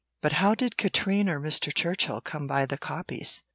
"But how did Katrine or Mr. Churchill come by the copies?"